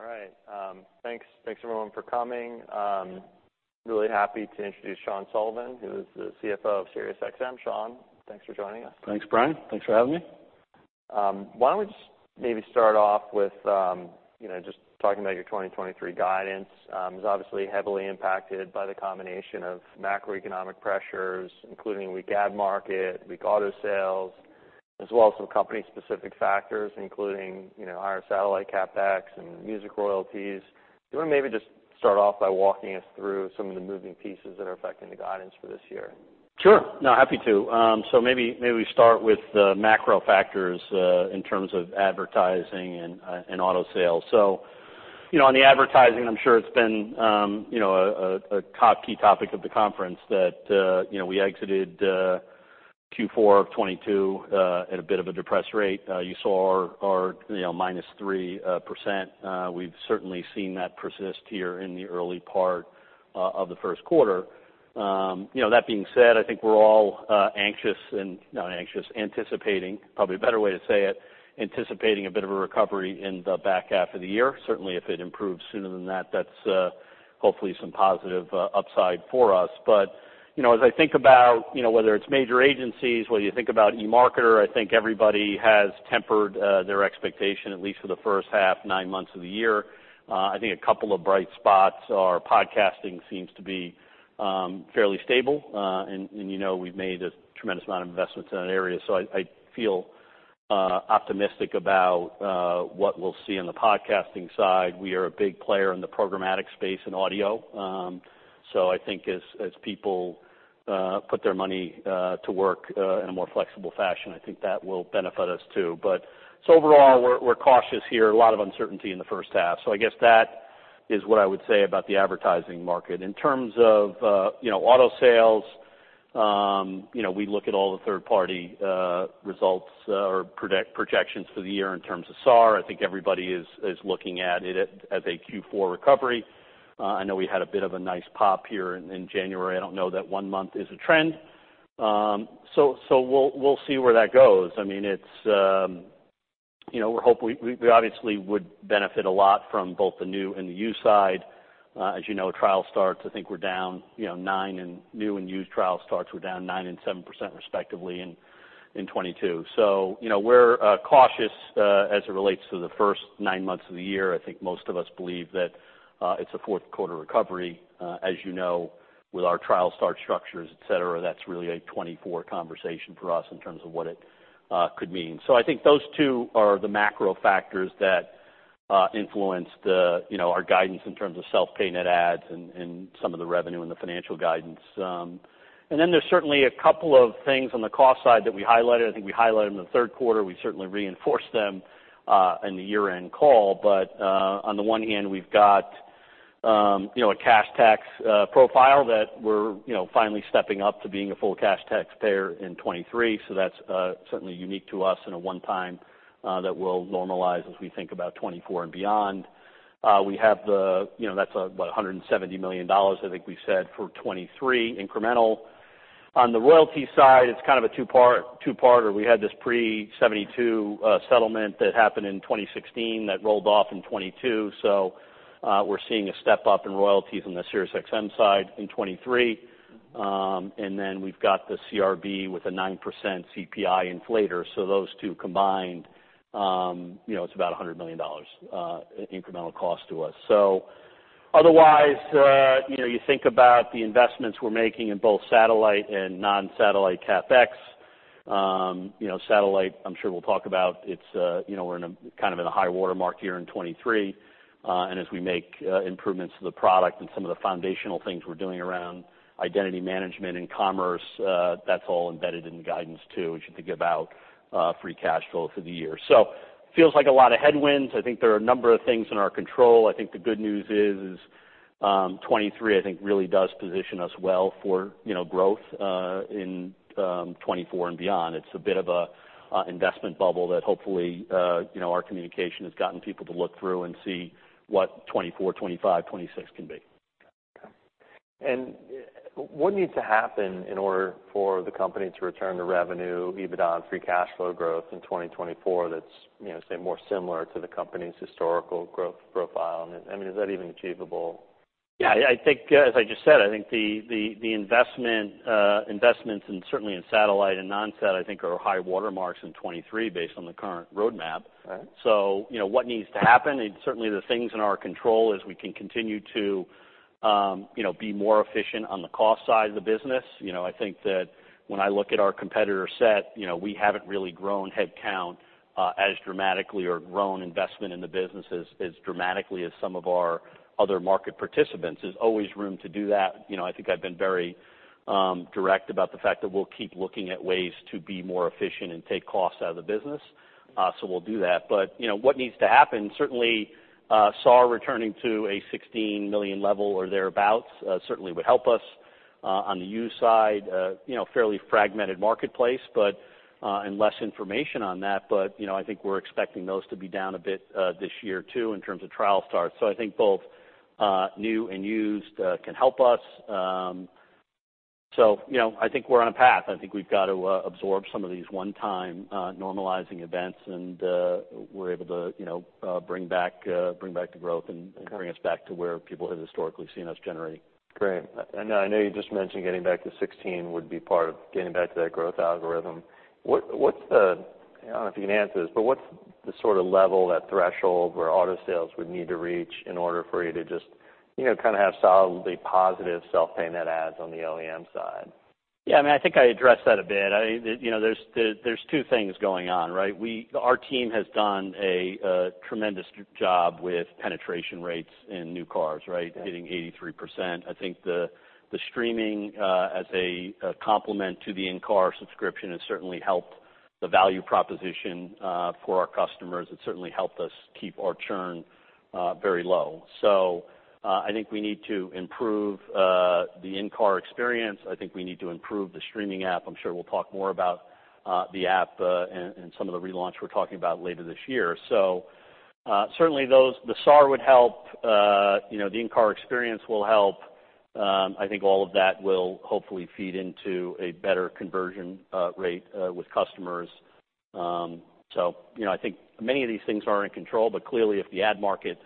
All right. Thanks everyone for coming. Really happy to introduce Sean Sullivan, who is the CFO of SiriusXM. Sean, thanks for joining us. Thanks, Bryan. Thanks for having me. Why don't we just maybe start off with, you know, just talking about your 2023 guidance. It's obviously heavily impacted by the combination of macroeconomic pressures, including weak ad market, weak auto sales, as well as some company specific factors, including, you know, higher satellite CapEx and music royalties. Do you wanna maybe just start off by walking us through some of the moving pieces that are affecting the guidance for this year? Sure. No, happy to. Maybe, maybe we start with the macro factors in terms of advertising and auto sales. You know, on the advertising, I'm sure it's been, you know, a top key topic of the conference that, you know, we exited Q4 of 2022 at a bit of a depressed rate. You saw our, you know, minus 3%. We've certainly seen that persist here in the early part of the first quarter. You know, that being said, I think we're all not anxious, anticipating, probably a better way to say it. Anticipating a bit of a recovery in the back half of the year. Certainly, if it improves sooner than that's hopefully some positive upside for us. You know, as I think about, you know, whether it's major agencies, whether you think about eMarketer, I think everybody has tempered their expectation, at least for the first half, nine months of the year. I think a couple of bright spots are podcasting seems to be fairly stable. And you know, we've made a tremendous amount of investments in that area, so I feel optimistic about what we'll see on the podcasting side. We are a big player in the programmatic space in audio. I think as people put their money to work in a more flexible fashion, I think that will benefit us too. Overall, we're cautious here, a lot of uncertainty in the first half. I guess that is what I would say about the advertising market. In terms of, you know, auto sales, you know, we look at all the third-party results or projections for the year in terms of SAAR. I think everybody is looking at it as a Q4 recovery. I know we had a bit of a nice pop here in January. I don't know that one month is a trend. We'll see where that goes. I mean, it's, you know, we obviously would benefit a lot from both the new and the used side. As you know, trial starts, I think we're down, you know, nine and new and used trial starts were down 9% and 7% respectively in 2022. You know, we're cautious as it relates to the first nine months of the year. I think most of us believe that it's a fourth quarter recovery. As you know, with our trial start structures, et cetera, that's really a 2024 conversation for us in terms of what it could mean. I think those two are the macro factors that influence the, you know, our guidance in terms of self-pay net adds and some of the revenue and the financial guidance. Then there's certainly a couple of things on the cost side that we highlighted. I think we highlighted them in the third quarter. We certainly reinforced them in the year-end call. On the one hand, we've got, you know, a cash tax profile that we're, you know, finally stepping up to being a full cash taxpayer in 2023. That's certainly unique to us in a one-time that will normalize as we think about 2024 and beyond. We have the, you know, that's what, $170 million I think we said for 2023 incremental. On the royalty side, it's kind of a two-part, two-parter. We had this pre-1972 settlement that happened in 2016 that rolled off in 2022. We're seeing a step up in royalties on the SiriusXM side in 2023. Then we've got the CRB with a 9% CPI inflator. Those two combined, you know, it's about $100 million incremental cost to us. Otherwise, you know, you think about the investments we're making in both satellite and non-satellite CapEx. You know, satellite, I'm sure we'll talk about it's, you know, we're in a kind of in a high watermark year in 2023. As we make improvements to the product and some of the foundational things we're doing around identity management and commerce, that's all embedded in guidance too, as you think about free cash flow for the year. Feels like a lot of headwinds. I think there are a number of things in our control. I think the good news is, 2023, I think really does position us well for, you know, growth in 2024 and beyond. It's a bit of a investment bubble that hopefully, our communication has gotten people to look through and see what 2024, 2025, 2026 can be. What needs to happen in order for the company to return to revenue, EBITDA, and free cash flow growth in 2024 that's, you know, say more similar to the company's historical growth profile? I mean, is that even achievable? Yeah. I think, as I just said, I think the investments and certainly in satellite and non-sat, I think are high water marks in 2023 based on the current roadmap. All right. You know, what needs to happen, and certainly the things in our control is we can continue to, you know, be more efficient on the cost side of the business. You know, I think that when I look at our competitor set, you know, we haven't really grown headcount as dramatically or grown investment in the business as dramatically as some of our other market participants. There's always room to do that. You know, I think I've been very direct about the fact that we'll keep looking at ways to be more efficient and take costs out of the business. We'll do that. You know, what needs to happen, certainly, SAAR returning to a 16 million level or thereabouts, certainly would help us. On the used side, you know, fairly fragmented marketplace, and less information on that. You know, I think we're expecting those to be down a bit this year too in terms of trial starts. I think both new and used can help us. You know, I think we're on a path. I think we've got to absorb some of these one-time normalizing events, and we're able to, you know, bring back the growth and bring us back to where people have historically seen us generating. Great. I know you just mentioned getting back to 16 would be part of getting back to that growth algorithm. What's the, I don't know if you can answer this, but what's the sort of level, that threshold where auto sales would need to reach in order for you to just, you know, kind of have solidly positive self-pay net adds on the OEM side? Yeah, I mean, I think I addressed that a bit. The, you know, there's two things going on, right? Our team has done a tremendous job with penetration rates in new cars, right? Yeah. Hitting 83%. I think the streaming as a complement to the in-car subscription has certainly helped the value proposition for our customers. It's certainly helped us keep our churn very low. I think we need to improve the in-car experience. I think we need to improve the streaming app. I'm sure we'll talk more about the app and some of the relaunch we're talking about later this year. Certainly those, the SAR would help, you know, the in-car experience will help. I think all of that will hopefully feed into a better conversion rate with customers. You know, I think many of these things are in control, but clearly, if the ad market,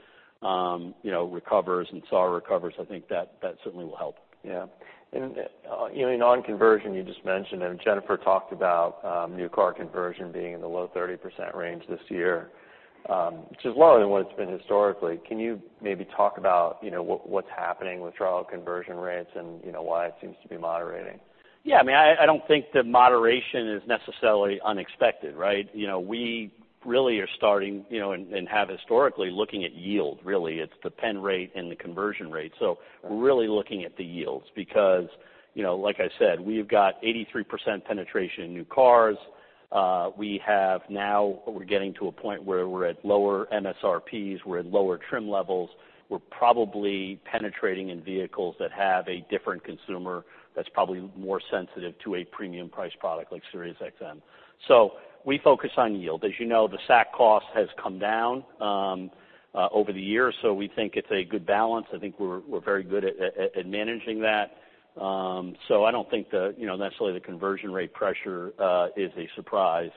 you know, recovers and SAR recovers, I think that certainly will help. Yeah. You know, in on conversion, you just mentioned, and Jennifer talked about, new car conversion being in the low 30% range this year, which is lower than what it's been historically. Can you maybe talk about, you know, what's happening with trial conversion rates and, you know, why it seems to be moderating? Yeah. I mean, I don't think the moderation is necessarily unexpected, right? You know, we really are starting, you know, and have historically looking at yield really. It's the pen rate and the conversion rate. We're really looking at the yields because, you know, like I said, we've got 83% penetration in new cars. We're getting to a point where we're at lower MSRPs. We're at lower trim levels. We're probably penetrating in vehicles that have a different consumer that's probably more sensitive to a premium price product like SiriusXM. We focus on yield. As you know, the SAC cost has come down over the years, so we think it's a good balance. I think we're very good at managing that. I don't think the, you know, necessarily the conversion rate pressure is a surprise.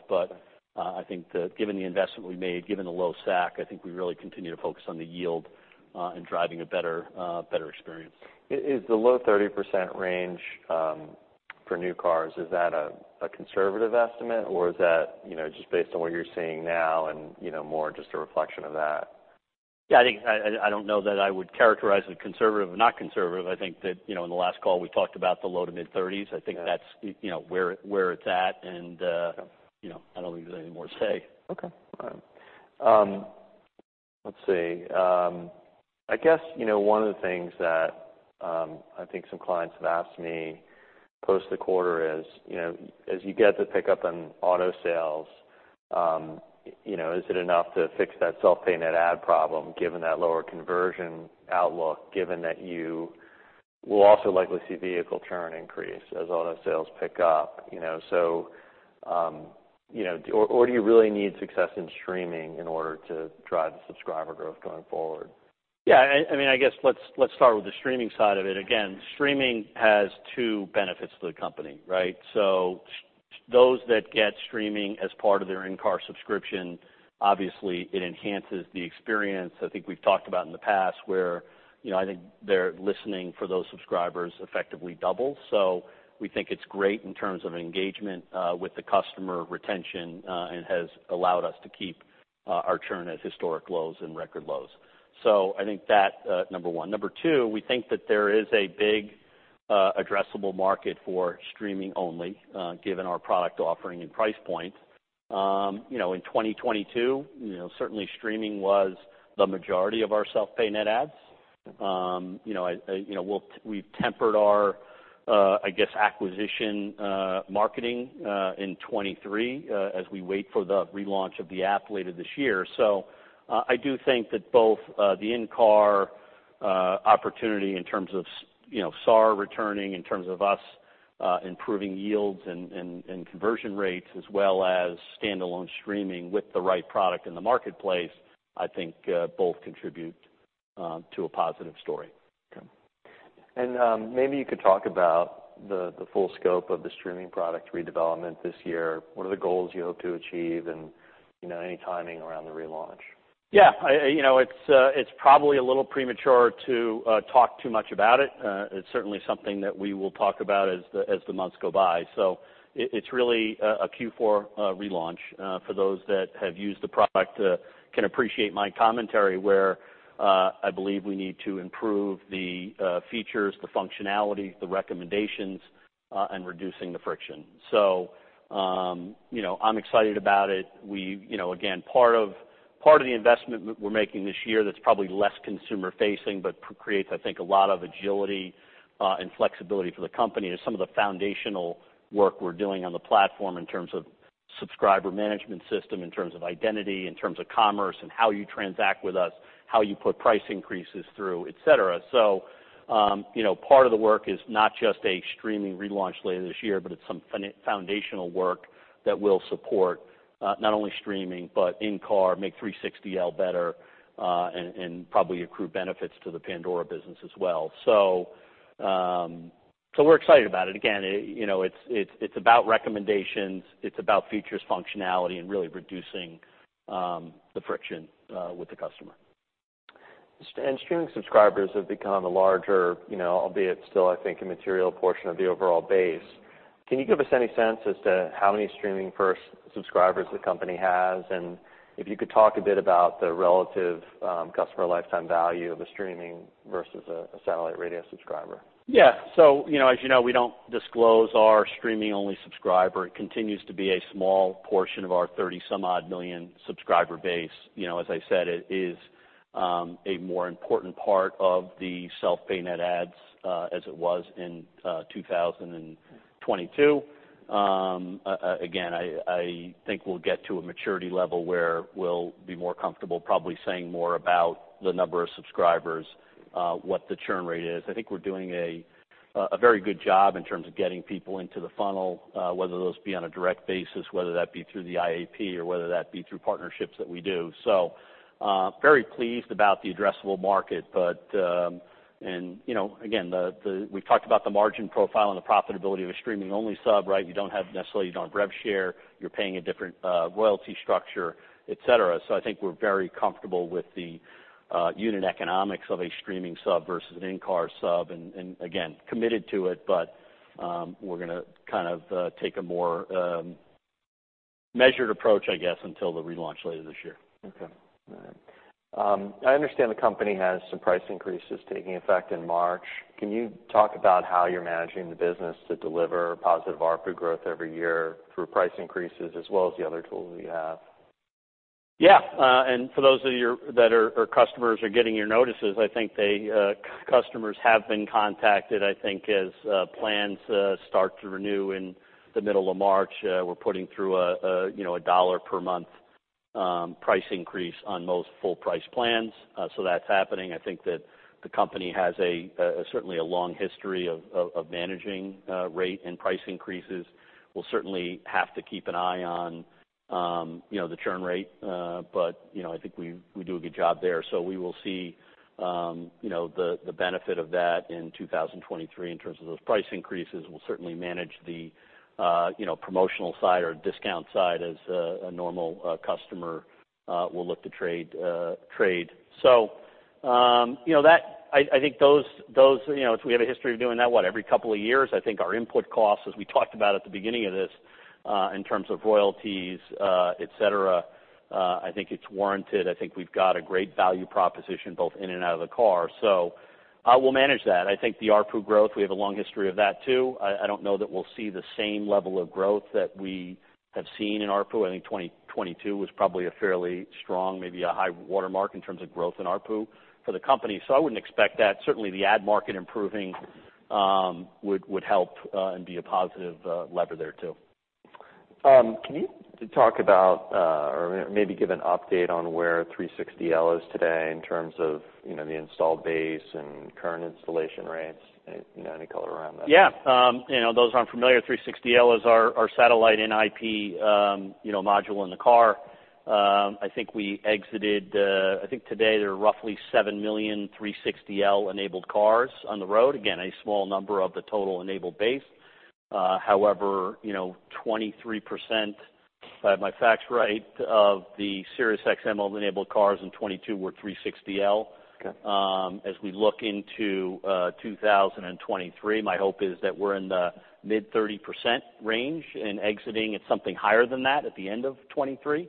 I think that given the investment we made, given the low SAC, I think we really continue to focus on the yield in driving a better experience. Is the low 30% range, for new cars, is that a conservative estimate, or is that, you know, just based on what you're seeing now and, you know, more just a reflection of that? Yeah, I don't know that I would characterize it conservative or not conservative. I think that, you know, in the last call, we talked about the low to mid-thirties. Yeah. I think that's, you know, where it's at and, Yeah. You know, I don't think there's any more to say. Okay. All right. Let's see. I guess, you know, one of the things that I think some clients have asked me post the quarter is, you know, as you get the pickup in auto sales, you know, is it enough to fix that self-pay net add problem given that lower conversion outlook, given that you will also likely see vehicle churn increase as auto sales pick up? You know, or do you really need success in streaming in order to drive the subscriber growth going forward? I mean, I guess let's start with the streaming side of it. Streaming has two benefits to the company, right? Those that get streaming as part of their in-car subscription, obviously it enhances the experience. I think we've talked about in the past where, you know, I think their listening for those subscribers effectively doubles. We think it's great in terms of engagement with the customer retention and has allowed us to keep our churn at historic lows and record lows. I think that, number one. Number two, we think that there is a big addressable market for streaming only, given our product offering and price point. You know, in 2022, you know, certainly streaming was the majority of our self-pay net adds. You know, you know, we've tempered our, I guess, acquisition marketing in 23, as we wait for the relaunch of the app later this year. I do think that both the in-car opportunity in terms of you know, SAR returning, in terms of us improving yields and, and conversion rates as well as standalone streaming with the right product in the marketplace, I think, both contribute to a positive story. Okay. Maybe you could talk about the full scope of the streaming product redevelopment this year. What are the goals you hope to achieve and, you know, any timing around the relaunch? Yeah. I, you know, it's probably a little premature to talk too much about it. It's certainly something that we will talk about as the, as the months go by. It's really a Q4 relaunch, for those that have used the product, can appreciate my commentary where I believe we need to improve the features, the functionality, the recommendations, and reducing the friction. You know, I'm excited about it. You know, again, part of the investment we're making this year that's probably less consumer-facing, but creates, I think, a lot of agility and flexibility for the company is some of the foundational work we're doing on the platform in terms of subscriber management system, in terms of identity, in terms of commerce and how you transact with us, how you put price increases through, et cetera. You know, part of the work is not just a streaming relaunch later this year, but it's some foundational work that will support not only streaming, but in-car, make 360L better and probably accrue benefits to the Pandora business as well. We're excited about it. Again, you know, it's about recommendations, it's about features, functionality, and really reducing the friction with the customer. Streaming subscribers have become a larger, you know, albeit still, I think, a material portion of the overall base. Can you give us any sense as to how many streaming-first subscribers the company has? If you could talk a bit about the relative customer lifetime value of a streaming versus a satellite radio subscriber. You know, as you know, we don't disclose our streaming-only subscriber. It continues to be a small portion of our 30 some odd million subscriber base. You know, as I said, it is a more important part of the self-pay net adds, as it was in 2022. Again, I think we'll get to a maturity level where we'll be more comfortable probably saying more about the number of subscribers, what the churn rate is. I think we're doing a very good job in terms of getting people into the funnel, whether those be on a direct basis, whether that be through the IAP, or whether that be through partnerships that we do. Very pleased about the addressable market. You know, again, we've talked about the margin profile and the profitability of a streaming-only sub, right? You don't have rev share, you're paying a different royalty structure, et cetera. I think we're very comfortable with the unit economics of a streaming sub versus an in-car sub. Again, committed to it, we're gonna kind of take a more measured approach, I guess, until the relaunch later this year. Okay. All right. I understand the company has some price increases taking effect in March. Can you talk about how you're managing the business to deliver positive ARPU growth every year through price increases as well as the other tools that you have? And for those of you that or customers are getting your notices, I think they customers have been contacted, I think, as plans start to renew in the middle of March. We're putting through a, you know, a $1 per month price increase on most full price plans. That's happening. I think that the company has a certainly a long history of managing rate and price increases. We'll certainly have to keep an eye on, you know, the churn rate. You know, I think we do a good job there. We will see, you know, the benefit of that in 2023 in terms of those price increases. We'll certainly manage the, you know, promotional side or discount side as a normal customer will look to trade. I think those, you know, if we have a history of doing that, what, every couple of years, I think our input costs, as we talked about at the beginning of this, in terms of royalties, et cetera, I think it's warranted. I think we've got a great value proposition both in and out of the car. We'll manage that. I think the ARPU growth, we have a long history of that too. I don't know that we'll see the same level of growth that we have seen in ARPU. I think 2022 was probably a fairly strong, maybe a high watermark in terms of growth in ARPU for the company. I wouldn't expect that. Certainly, the ad market improving would help and be a positive lever there too. Can you talk about, or maybe give an update on where 360L is today in terms of, you know, the installed base and current installation rates? Any, you know, any color around that? Yeah. you know, those aren't familiar, 360L is our satellite and IP, you know, module in the car. I think today there are roughly 7 million 360L-enabled cars on the road. A small number of the total enabled base. you know, 23%, if I have my facts right, of the SiriusXM-enabled cars in 2022 were 360L. Okay. As we look into 2023, my hope is that we're in the mid-30% range and exiting at something higher than that at the end of 2023,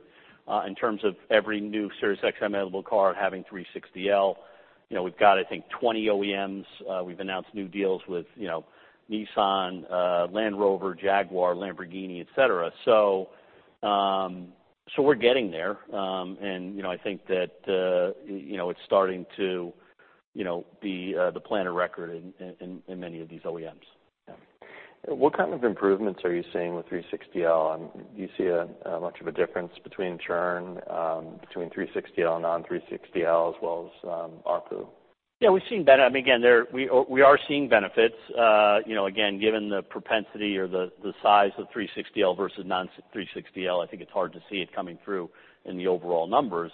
in terms of every new SiriusXM-enabled car having 360L. You know, we've got, I think, 20 OEMs. We've announced new deals with, you know, Nissan, Land Rover, Jaguar, Lamborghini, et cetera. We're getting there. You know, I think that, you know, it's starting to, you know, be the plan of record in many of these OEMs. Yeah. What kind of improvements are you seeing with 360L? Do you see much of a difference between churn, between 360L and non-360L, as well as ARPU? Yeah, we've seen, I mean, again, we are seeing benefits. You know, again, given the propensity or the size of 360L versus non-360L, I think it's hard to see it coming through in the overall numbers.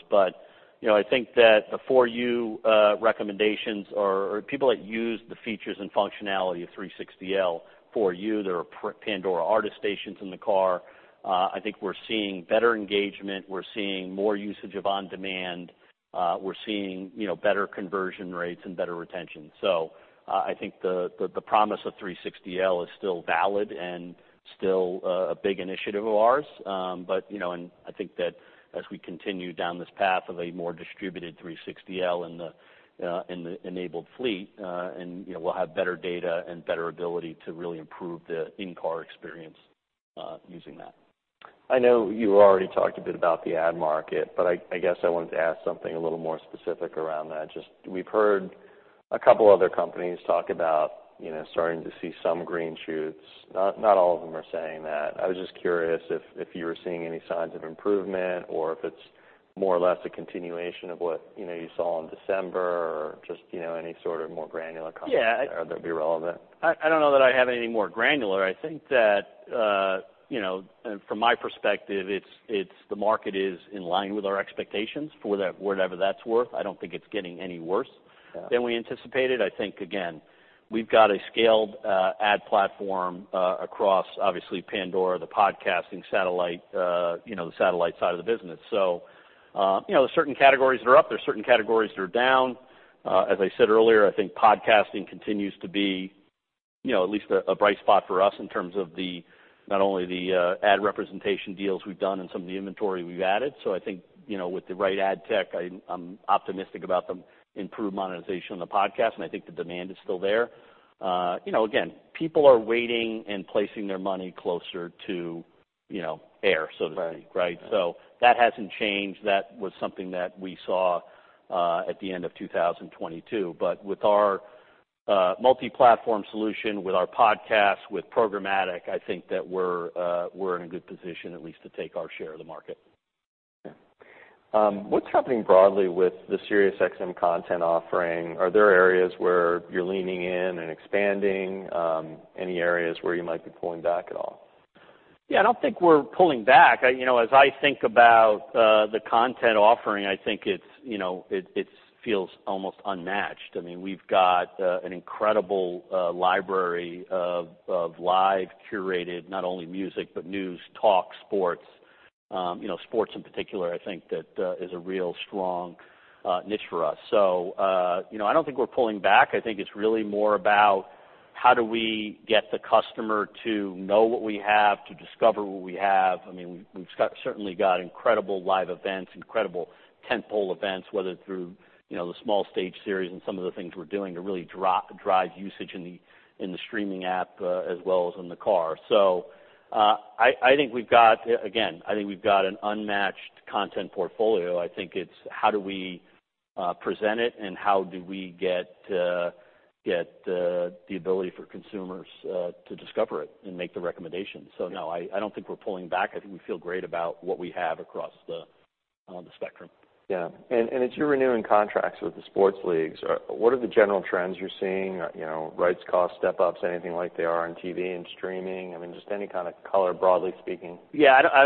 You know, I think that the For You recommendations or people that use the features and functionality of 360L For You, there are Pandora Artist Stations in the car, I think we're seeing better engagement. We're seeing more usage of on-demand. We're seeing, you know, better conversion rates and better retention. I think the promise of 360L is still valid and still a big initiative of ours. You know, I think that as we continue down this path of a more distributed 360L in the, in the enabled fleet, and, you know, we'll have better data and better ability to really improve the in-car experience, using that. I know you already talked a bit about the ad market. I guess I wanted to ask something a little more specific around that. We've heard a couple other companies talk about, you know, starting to see some green shoots. Not all of them are saying that. I was just curious if you were seeing any signs of improvement or if it's more or less a continuation of what, you know, you saw in December or just, you know, any sort of more granular comment there that'd be relevant. Yeah. I don't know that I have any more granular. I think that, you know, from my perspective, it's the market is in line with our expectations for that, whatever that's worth. I don't think it's getting any worse than we anticipated. I think, again, we've got a scaled, ad platform, across obviously Pandora, the podcasting satellite, you know, the satellite side of the business. There are certain categories that are up, there are certain categories that are down. As I said earlier, I think podcasting continues to be, you know, at least a bright spot for us in terms of the, not only the, ad representation deals we've done and some of the inventory we've added. I think, you know, with the right ad tech, I'm optimistic about the improved monetization of the podcast, and I think the demand is still there. You know, again, people are waiting and placing their money closer to, you know, air, so to speak, right? Right. Yeah. That hasn't changed. That was something that we saw at the end of 2022. With our multi-platform solution, with our podcasts, with programmatic, I think that we're in a good position at least to take our share of the market. Yeah. What's happening broadly with the SiriusXM content offering? Are there areas where you're leaning in and expanding? Any areas where you might be pulling back at all? I don't think we're pulling back. I, you know, as I think about the content offering, I think it's, you know, it feels almost unmatched. I mean, we've got an incredible library of live curated, not only music, but news, talk, sports. You know, sports in particular, I think that is a real strong niche for us. You know, I don't think we're pulling back. I think it's really more about how do we get the customer to know what we have, to discover what we have. I mean, we've certainly got incredible live events, incredible tent pole events, whether through, you know, the Small Stage Series and some of the things we're doing to really drive usage in the streaming app, as well as in the car. I think we've got, again, I think we've got an unmatched content portfolio. I think it's how do we present it and how do we get the ability for consumers to discover it and make the recommendations. No, I don't think we're pulling back. I think we feel great about what we have across the spectrum. Yeah. As you're renewing contracts with the sports leagues, what are the general trends you're seeing? You know, rights cost, step ups, anything like they are on TV and streaming? I mean, just any kind of color, broadly speaking. Yeah, I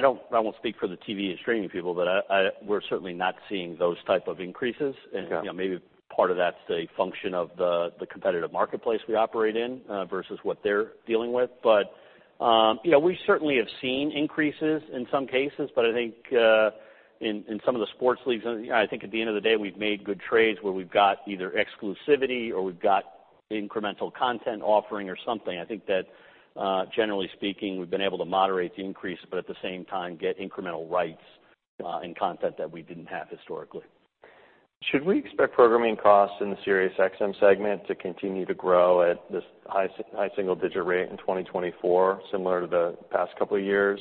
won't speak for the TV and streaming people, but we're certainly not seeing those type of increases. Okay. You know, maybe part of that's a function of the competitive marketplace we operate in versus what they're dealing with. You know, we certainly have seen increases in some cases. I think in some of the sports leagues, and I think at the end of the day, we've made good trades where we've got either exclusivity or we've got incremental content offering or something. I think that, generally speaking, we've been able to moderate the increase, but at the same time, get incremental rights, and content that we didn't have historically. Should we expect programming costs in the SiriusXM segment to continue to grow at this high single digit rate in 2024, similar to the past couple of years?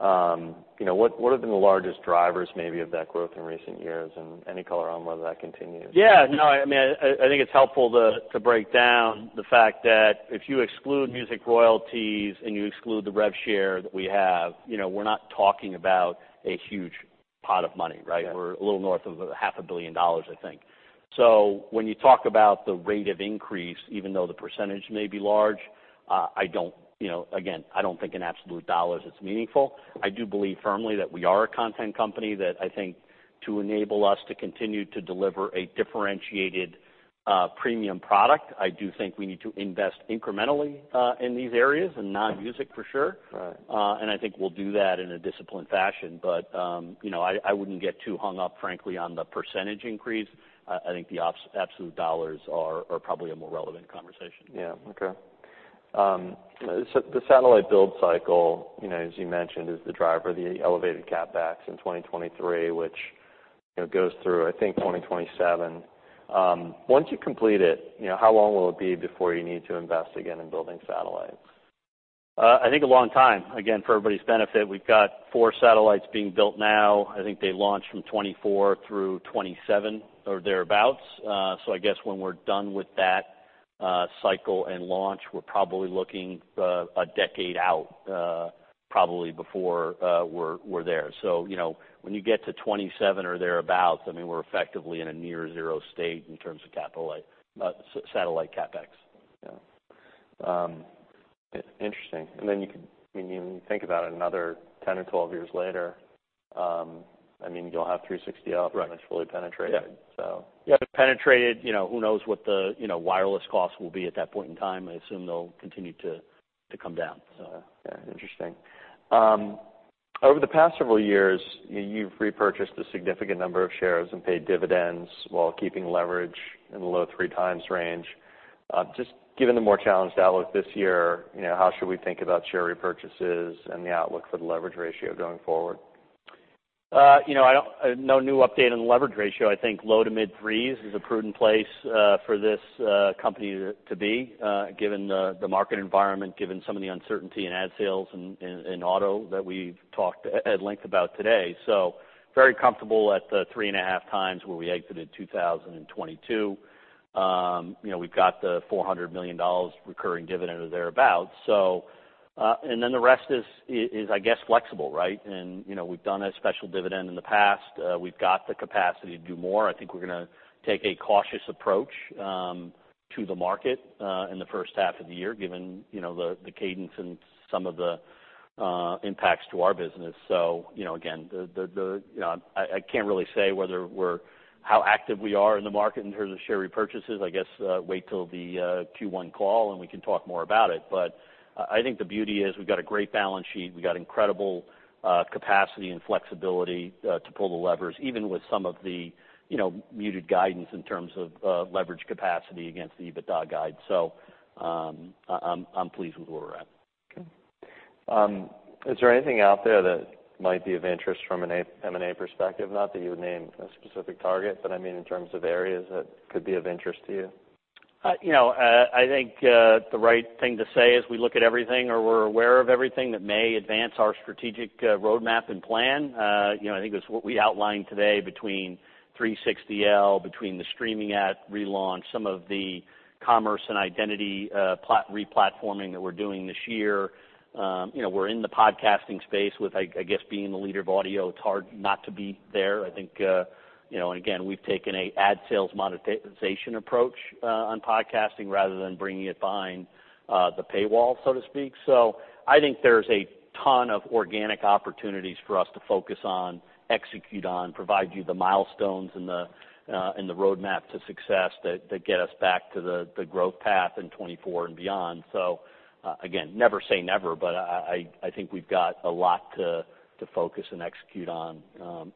you know, what have been the largest drivers maybe of that growth in recent years, and any color on whether that continues? Yeah. No, I mean, I think it's helpful to break down the fact that if you exclude music royalties and you exclude the rev share that we have, you know, we're not talking about a huge pot of money, right? Yeah. We're a little north of half a billion dollars, I think. When you talk about the rate of increase, even though the percentage may be large, I don't, you know, again, I don't think in absolute dollars it's meaningful. I do believe firmly that we are a content company that I think to enable us to continue to deliver a differentiated, premium product, I do think we need to invest incrementally, in these areas and non-music for sure. Right. I think we'll do that in a disciplined fashion. you know, I wouldn't get too hung up, frankly, on the % increase. I think the absolute dollars are probably a more relevant conversation. Yeah. Okay. The satellite build cycle, you know, as you mentioned, is the driver, the elevated CapEx in 2023, which, you know, goes through, I think, 2027. Once you complete it, you know, how long will it be before you need to invest again in building satellites? I think a long time. Again, for everybody's benefit, we've got four satellites being built now. I think they launch from 2024 through 2027 or thereabouts. I guess when we're done with that cycle and launch, we're probably looking a decade out, probably before we're there. You know, when you get to 2027 or thereabouts, I mean, we're effectively in a near zero state in terms of capital satellite CapEx. Yeah. Interesting. You could, I mean, when you think about it another 10 or 12 years later, I mean, you'll have 360L. Right. When it's fully penetrated. Yeah. So. Penetrated, you know, who knows what the, you know, wireless costs will be at that point in time. I assume they'll continue to come down, so. Yeah. Interesting. Over the past several years, you've repurchased a significant number of shares and paid dividends while keeping leverage in the low 3x range. Just given the more challenged outlook this year, you know, how should we think about share repurchases and the outlook for the leverage ratio going forward? You know, No new update on the leverage ratio. I think low to mid threes is a prudent place for this company to be given the market environment, given some of the uncertainty in ad sales and auto that we've talked at length about today. Very comfortable at the 3.5x where we exited 2022. you know, we've got the $400 million recurring dividend or thereabout. The rest is I guess, flexible, right? you know, we've done a special dividend in the past. We've got the capacity to do more. I think we're gonna take a cautious approach to the market in the first half of the year, given, you know, the cadence and some of the impacts to our business. You know, again, I can't really say whether how active we are in the market in terms of share repurchases. I guess, wait till the Q1 call, and we can talk more about it. I think the beauty is we've got a great balance sheet. We got incredible capacity and flexibility to pull the levers, even with some of the, you know, muted guidance in terms of leverage capacity against the EBITDA guide. I'm pleased with where we're at. Okay. Is there anything out there that might be of interest from an M&A perspective, not that you would name a specific target, but I mean in terms of areas that could be of interest to you? You know, I think the right thing to say is we look at everything or we're aware of everything that may advance our strategic roadmap and plan. You know, I think that's what we outlined today between 360L, between the streaming app relaunch, some of the commerce and identity replatforming that we're doing this year. You know, we're in the podcasting space with, I guess, being the leader of audio, it's hard not to be there. I think, you know, and again, we've taken a ad sales monetization approach on podcasting rather than bringing it behind the paywall, so to speak. I think there's a ton of organic opportunities for us to focus on, execute on, provide you the milestones and the roadmap to success that get us back to the growth path in 2024 and beyond. Again, never say never, but I think we've got a lot to focus and execute on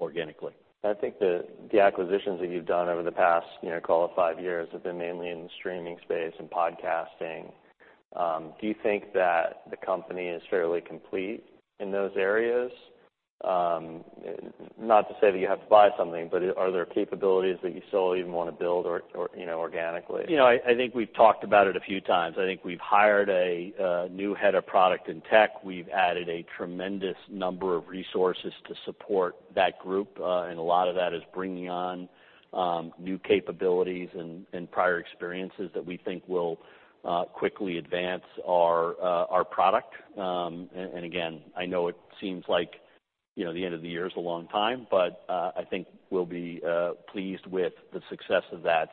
organically. I think the acquisitions that you've done over the past, you know, call it five years have been mainly in the streaming space and podcasting. Do you think that the company is fairly complete in those areas? Not to say that you have to buy something, but are there capabilities that you still even wanna build or, you know, organically? You know, I think we've talked about it a few times. I think we've hired a new head of product in tech. We've added a tremendous number of resources to support that group, and a lot of that is bringing on new capabilities and prior experiences that we think will quickly advance our product. And again, I know it seems like, you know, the end of the year is a long time, but I think we'll be pleased with the success of that.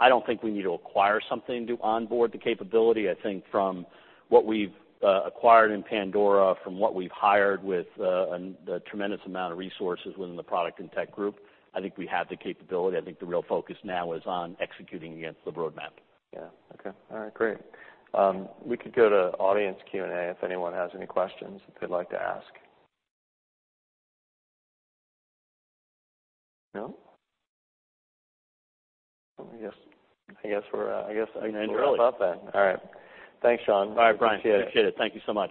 I don't think we need to acquire something to onboard the capability. I think from what we've acquired in Pandora, from what we've hired with the tremendous amount of resources within the product and tech group, I think we have the capability. I think the real focus now is on executing against the roadmap. Yeah. Okay. All right. Great. We could go to audience Q&A if anyone has any questions they'd like to ask. No? I guess we're, I guess I can end it early. We'll stop then. All right. Thanks, Sean. All right, Bryan. Appreciate it. Appreciate it. Thank you so much.